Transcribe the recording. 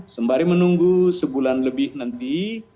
sembari menunggu sebulan lebih nanti